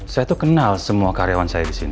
saya tuh kenal semua karyawan saya disini